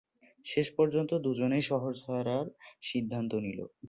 শেষ পর্যন্ত দুজনেই শহর ছাড়ার সিদ্ধান্ত নিল।